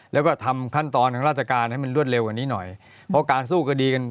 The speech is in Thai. แล้วก็ทำขั้นตอนทางราชการให้มันรวดเร็วกว่านี้หน่อยเพราะการสู้คดีกัน